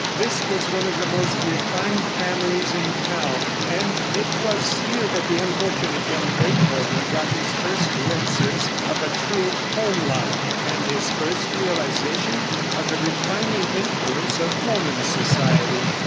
This was one of the most refined families in town, and it was here that the unfortunate young Beethoven got his first glimpses of a true home life, and his first realization of the refining influence of woman's society.